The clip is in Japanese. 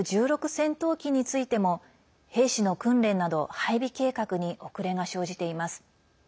戦闘機についても兵士の訓練など配備計画に遅れが生じています。